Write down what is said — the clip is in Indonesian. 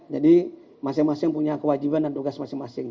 jadi masing masing punya kewajiban dan tugas masing masing